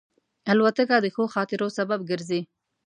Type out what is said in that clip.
الوتکه د ښو خاطرو سبب ګرځي.